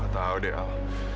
tahu deh al